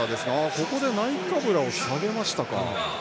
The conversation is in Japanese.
ここでナイカブラを下げましたか。